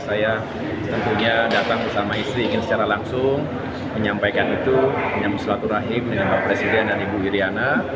saya tentunya datang bersama istri ingin secara langsung menyampaikan itu menyambung silaturahim dengan pak presiden dan ibu iryana